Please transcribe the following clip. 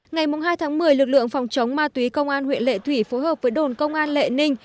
ngày hai tháng một mươi lực lượng phòng chống ma túy công an huyện lệ thủy phối hợp với đồn công an lệ ninh